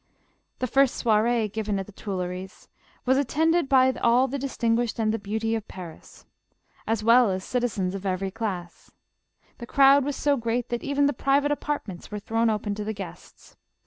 The first soire'e given at the Tuilleries, was attended by all the distinguished and the beauty of Paris, as well as citizens of every class. The crowd was so great, that even the private apartments were thrown open to the guests.